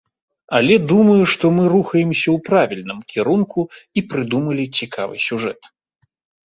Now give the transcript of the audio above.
Але думаю, што мы рухаемся ў правільным кірунку і прыдумалі цікавы сюжэт.